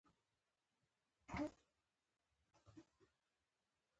د هوږې شیره د څه لپاره وکاروم؟